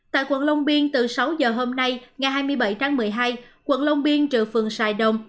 tại quận long biên từ sáu giờ hôm nay ngày hai mươi bảy tháng một mươi hai quận long biên trừ phường sài đồng